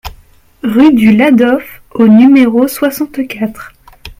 Rue du Ladhof au numéro soixante-quatre